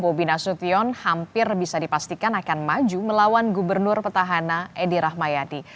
bobi nasution hampir bisa dipastikan akan maju melawan gubernur petahana edi rahmayadi